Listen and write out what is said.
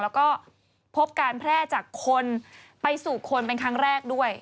แล้วก็พบการแพร่จากคนไปสู่คนเป็นครั้งแรกด้วย